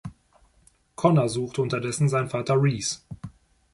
Connor sucht unterdessen seinen Vater Reese.